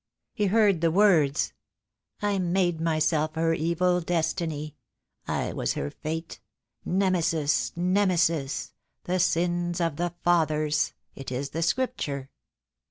He heard the words — "I made myself her Evil Destiny; I was her fate — Nemesis, Nemesis! The sins of the fathers! It is the Scripture."